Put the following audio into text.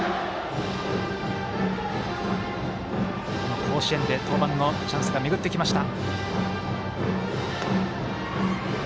この甲子園で登板のチャンスが巡ってきました。